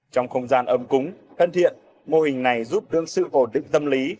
trong không gian âm cúng thân thiện mô hình này giúp đương sự hồn định tâm lý